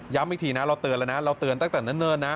อีกทีนะเราเตือนแล้วนะเราเตือนตั้งแต่เนิ่นนะ